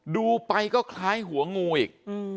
ดูไปก็คล้ายหัวงูอีก